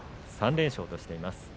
３連勝としています。